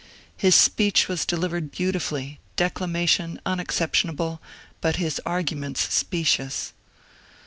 His speech was delivered beautif uUy — declamation unexcep tionable— but his arguments specious."